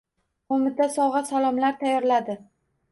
Qo‘mita sovg‘a-salomlar tayyorladi.